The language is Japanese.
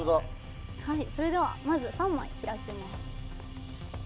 それではまず３枚開きます。